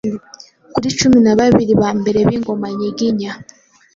kuri cumi nababiri ba mbere b’ingoma nyiginya.